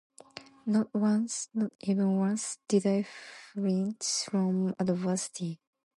Not once, not even once, did I flinch from adversity.